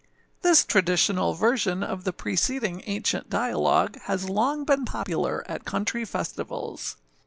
[THIS traditional version of the preceding ancient dialogue has long been popular at country festivals.